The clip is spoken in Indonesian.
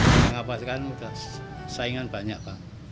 saya mengapaskan saya ingin banyak